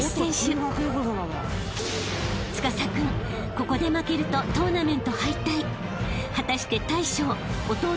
ここで負けるとトーナメント敗退］